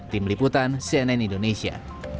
tim liputan cnn indonesia